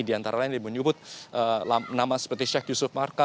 diantara lain yang di menyebut nama seperti syekh yusuf marka